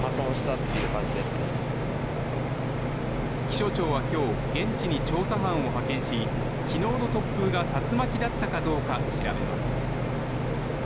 気象庁は今日現地に調査班を派遣し昨日の突風が竜巻だったかどうか調べます。